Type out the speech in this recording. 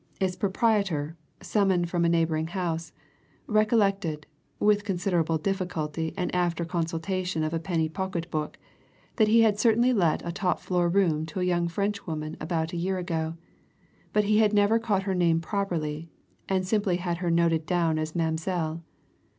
Its proprietor, summoned from a neighbouring house, recollected, with considerable difficulty and after consultation of a penny pocket book, that he had certainly let a top floor room to a young Frenchwoman about a year ago, but he had never caught her name properly, and simply had her noted down as Mamselle.